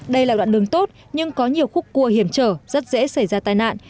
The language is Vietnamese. đây là đoạn đường tốt nhưng có nhiều khúc cua hiểm trở rất dễ xảy ra tai nạn